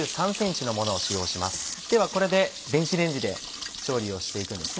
ではこれで電子レンジで調理をしていくんですね。